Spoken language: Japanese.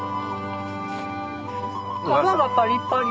皮がパリパリ。